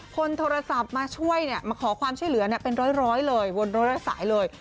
คนโทรศัพท์มาช่วยมาขอความช่วยเหลือเป็นร้อยเลยวนร้อยสายเลย